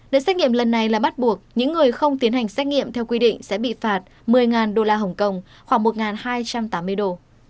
đợt xét nghiệm lần này là bắt buộc những người không tiến hành xét nghiệm theo quy định sẽ bị phạt một mươi đô la hồng kông khoảng một hai trăm tám mươi đô